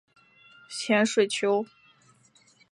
潜水球是一种内部有加压的。